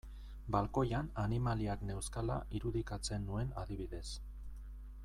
Balkoian animaliak neuzkala irudikatzen nuen adibidez.